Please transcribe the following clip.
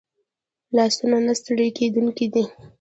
لاسونه نه ستړي کېدونکي دي